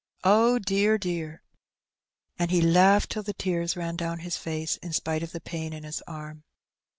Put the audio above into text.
Oh, dear, dear!^^ And he laughed till the tears ran down his face, spite the pain in his arm.